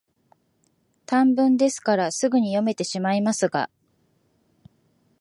短文ですから、すぐに読めてしまいますが、